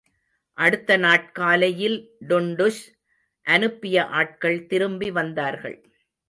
அடுத்த நாட்காலையில் டுண்டுஷ் அனுப்பிய ஆட்கள் திரும்பி வந்தார்கள்.